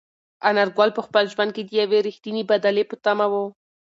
انارګل په خپل ژوند کې د یوې رښتینې بدلې په تمه و.